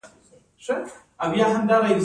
ځینې قومونه ولور نه اخلي.